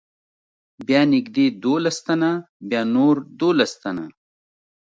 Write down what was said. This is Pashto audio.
بیا نږدې دولس تنه، بیا نور دولس تنه.